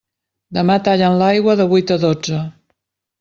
Demà tallen l'aigua de vuit a dotze.